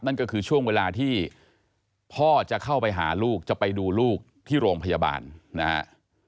นั่นก็คือช่วงเวลาที่พ่อจะเข้าไปหาลูกจะไปดูลูกที่โรงพยาบาลนะฮะ